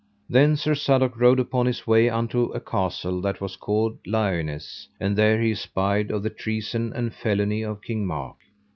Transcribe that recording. Then Sir Sadok rode upon his way unto a castle that was called Liones, and there he espied of the treason and felony of King Mark.